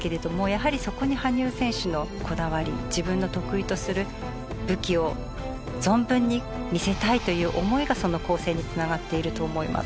やはりそこに羽生選手のこだわり自分の得意とする武器を存分に見せたいという思いがその構成に繋がっていると思います。